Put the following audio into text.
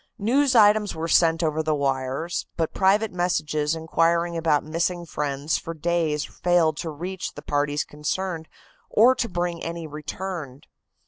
News items were sent over the wires, but private messages inquiring about missing friends for days failed to reach the parties concerned or to bring any return.